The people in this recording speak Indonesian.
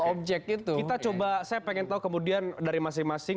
objek gitu kita coba saya pengen tahu kemudian dari masing masing